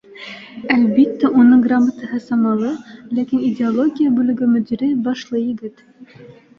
Әлбиттә, уның грамотаһы самалы, ләкин идеология бүлеге мөдире башлы егет.